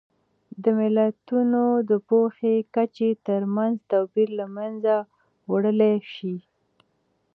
د ملتونو د پوهې کچې ترمنځ توپیر له منځه وړلی شي.